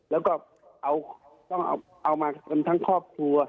และก็เอามาทั้งครอบครัว